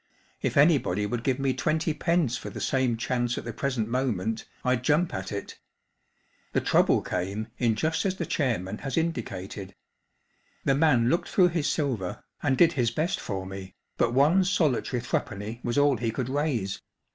If anybody would give me twenty pence for the same chance at the present moment I'd jump at it. The trouble came in just as the chairman has indi¬ cated. The man looked through his silver and did his best for me, but one solitary three¬ penny was all he could raise.